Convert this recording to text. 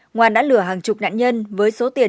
ngoan đã lừa hàng chục nạn nhân với số tiền